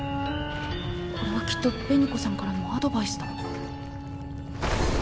これはきっと紅子さんからのアドバイスだ。